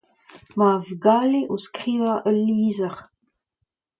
emañ ar vugale o skrivañ ul lizher.